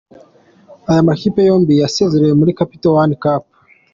Aya makipe yombi yasezerewe muri Capital one cup.